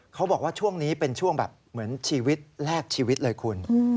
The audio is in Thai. เขาบอกว่าช่วงนี้เป็นช่วงแบบเหมือนชีวิตแรกชีวิตเลยคุณ